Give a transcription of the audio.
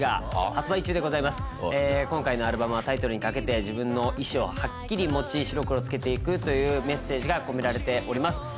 今回のアルバムはタイトルに掛けて自分の意志をはっきり持ち白黒つけて行くというメッセージが込められております。